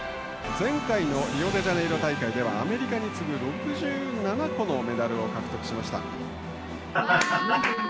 前回のリオデジャネイロ大会では、アメリカに次ぐ６７個のメダルを獲得しました。